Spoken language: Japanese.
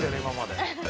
今まで。